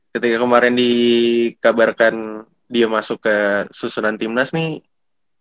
ketika kemarin dikabarkan dia masuk ke susunan timnas nih